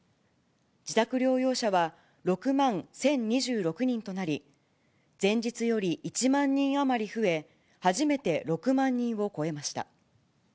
自宅療養者は６万１０２６人となり、前日より１万人余り増え、初めて６万人を超えました。